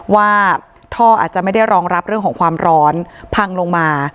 ว่าท่ออาจจะไม่ได้รองรับเรื่องของความร้อนพังลงมา